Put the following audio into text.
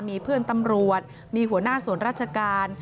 มีเพื่อนตำรวจมีหัวหน้าส่วนราชการ